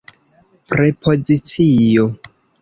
prepozicio